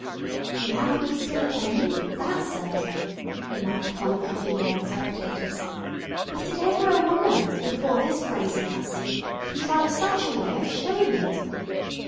"She hath good skill at her needle, that's certain," remarked one of her female spectators; "but did ever a woman, before this brazen hussy, contrive such a way of showing it?